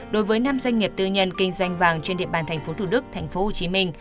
đối với năm doanh nghiệp tư nhân kinh doanh vàng trên địa bàn tp thủ đức tp hcm